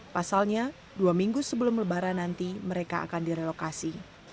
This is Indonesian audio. pasalnya dua minggu sebelum lebaran nanti mereka akan direlokasi